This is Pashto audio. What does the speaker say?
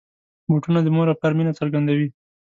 بوټونه د مور او پلار مینه څرګندوي.